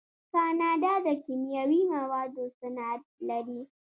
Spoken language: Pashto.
کاناډا د کیمیاوي موادو صنعت لري.